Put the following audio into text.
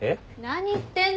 何言ってんの！